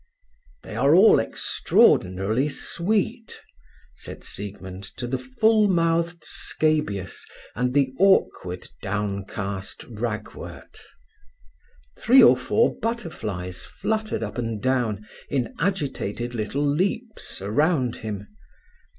"They are all extraordinarily sweet," said Siegmund to the full mouthed scabious and the awkward, downcast ragwort. Three or four butterflies fluttered up and down in agitated little leaps, around him.